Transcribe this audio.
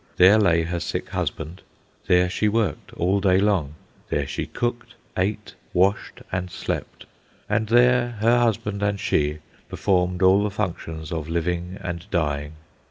There lay her sick husband; there she worked all day long; there she cooked, ate, washed, and slept; and there her husband and she performed all the functions of living and dying.